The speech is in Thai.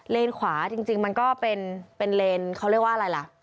ขวาจริงมันก็เป็นเลนเขาเรียกว่าอะไรล่ะ